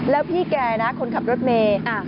แล้วพี่แกนะคนขับรถเมย์